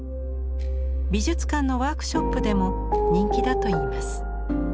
美術館のワークショップでも人気だといいます。